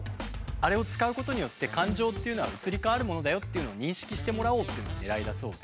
あれを使うことによって感情というのは移り変わるものだよっていうのを認識してもらおうっていうのがねらいだそうで。